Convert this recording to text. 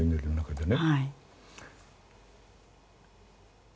でね